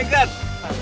iya bener sih